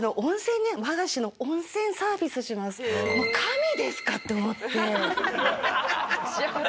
もう神ですか！？と思って。